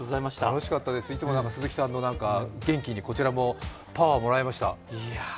楽しかったです、いつも鈴木さんの元気にこちらもパワーをもらいました。